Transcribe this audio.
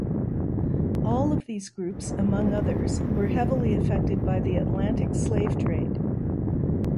All of these groups, among others, were heavily affected by the Atlantic slave trade.